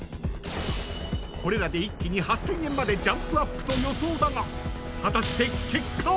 ［これらで一気に８，０００円までジャンプアップと予想だが果たして結果は？］